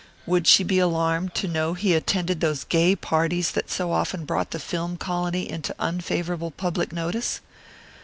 Would she be alarmed to know he attended those gay parties that so often brought the film colony into unfavourable public notice?